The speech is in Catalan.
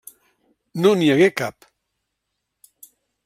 No n'hi hagué cap.